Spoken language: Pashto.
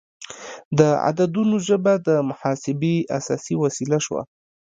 د عددونو ژبه د محاسبې اساسي وسیله شوه.